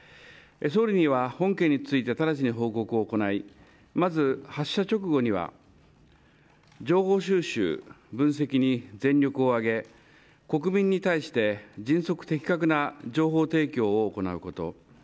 総理には本件について直ちに報告を行いまず発射直後には情報収集、分析に全力を挙げ国民に対して迅速的確な情報提供を行うこと